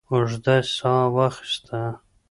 اوږده ساه واخسته.